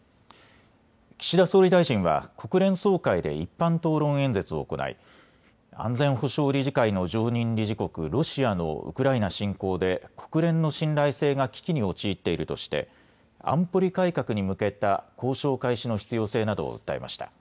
岸田総理大臣は国連総会で一般討論演説を行い、安全保障理事会の常任理事国、ロシアのウクライナ侵攻で国連の信頼性が危機に陥っているとして安保理改革に向けた交渉開始の必要性などを訴えました。